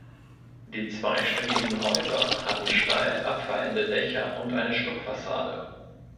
Die zweistöckigen Häuser hatten steil abfallende Dächer und eine Stuckfassade.